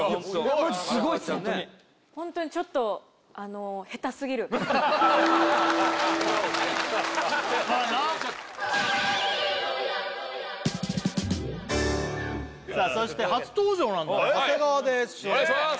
マジすごいっすホントにホントにちょっとさあそして初登場なんだね長谷川ですお願いします